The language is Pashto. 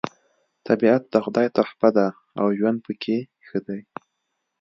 طبیعت د خدای تحفه ده او ژوند پکې ښه دی